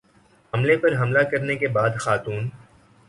عملے پر حملہ کرنے کے بعد خاتون